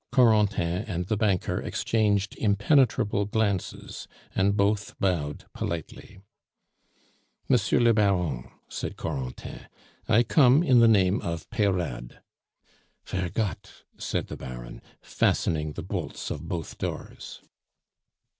Corentin and the banker exchanged impenetrable glances, and both bowed politely. "Monsieur le Baron," said Corentin, "I come in the name of Peyrade " "Ver' gott!" said the Baron, fastening the bolts of both doors.